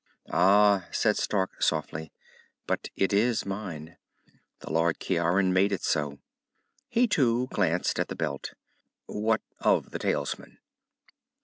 "Ah," said Stark softly, "but it is mine. The Lord Ciaran made it so." He, too, glanced at the belt. "What of the talisman?"